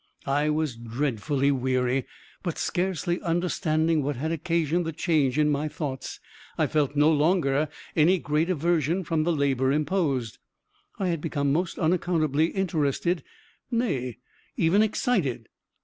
I was dreadfully weary, but, scarcely understanding what had occasioned the change in my thoughts, I felt no longer any great aversion from the labor imposed. I had become most unaccountably interested nay, even excited.